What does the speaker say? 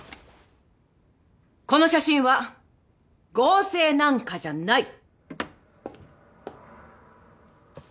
この写真は合成なんかじゃない！